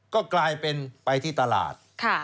ก็กลายเป็นไปที่ตลาด